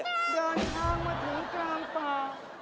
เดินทางมาถึงกลางป่า